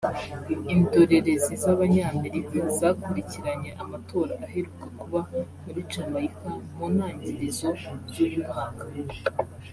Indorerezi z’Abanyamerika zakurikiranye amatora aheruka kuba muri Jamaica mu ntangirizo z’uyu mwaka